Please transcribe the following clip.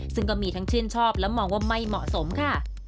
ซึ่งก็มีทั้งชื่นชอบและมองว่าไม่เหมาะสมค่ะ